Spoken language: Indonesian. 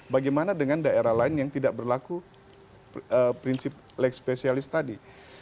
bagaimana dengan daerah lain yang tidak berlaku prinsip leg spesialis tadi